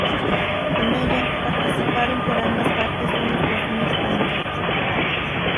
En ella participaron por ambas partes unos dos mil tanques.